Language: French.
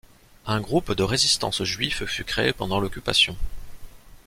Un groupe de résistance juif fut créé pendant l'occupation.